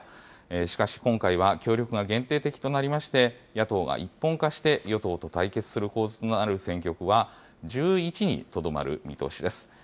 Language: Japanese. しかし、今回は協力が限定的となりまして、野党が一本化して、与党と対決する構図となる選挙区は、１１にとどまる見通しです。